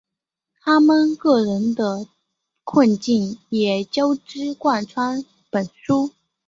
他们个人的困境也交织贯穿本书。